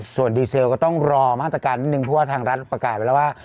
ส่วนดีเซลก็ต้องรอมาตรการนิดนึงเพราะว่าทางรัฐประกาศไว้แล้วว่า